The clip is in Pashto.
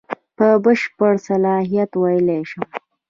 په بشپړ صلاحیت ویلای شم.